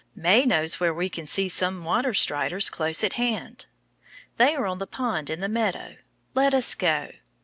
May knows where we can see some water striders close at hand. They are on the pond in the meadow. Let us go.